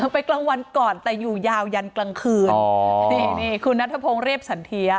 ไปกลางวันก่อนแต่อยู่ยาวยันกลางคืนนี่นี่คุณนัทพงศ์เรียบสันเทีย